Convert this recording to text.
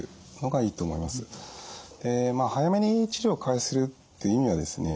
早めに治療を開始するっていう意味はですね